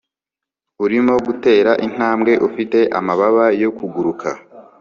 urimo gutera intambwe ufite amababa yo kuguruka